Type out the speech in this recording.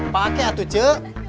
pakai atu cek